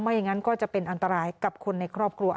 อย่างนั้นก็จะเป็นอันตรายกับคนในครอบครัว